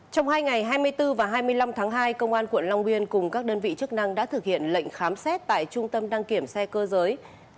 trong hai ngày hai mươi bốn và hai mươi năm tháng hai công an quận long biên cùng các đơn vị chức năng đã thực hiện lệnh khám xét tại trung tâm đăng kiểm xe cơ giới